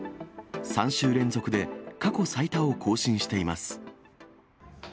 ３週連続で過去最多を更新しています。